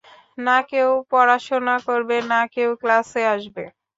না কেউ পড়াশোনা করবে, না কেউ ক্লাসে আসবে।